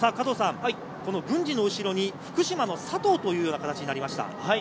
郡司の後ろに福島の佐藤という形になりました。